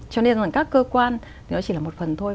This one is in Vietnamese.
cho nên là các cơ quan thì nó chỉ là một phần thôi